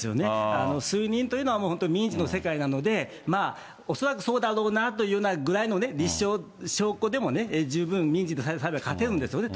推認というのは、本当民事の世界なので、恐らくそうだろうなというようなぐらいのね、立証、証拠でもね、十分民事の裁判で勝てるんですよね。